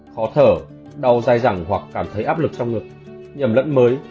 khó thở đau dài dẳng hoặc cảm thấy áp lực trong ngực nhầm lẫn mới